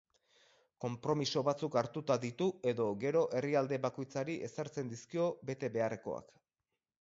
Konpromiso batzuk hartuta ditu edo gero herrialde bakoitzari ezartzen dizkio bete beharrekoak.